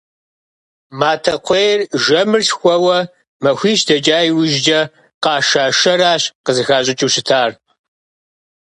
Матэкхъуейр жэмыр лъхуэуэ махуищ дэкӀа иужькӀэ къаша шэращ къызыхащӀыкӀыу щытар.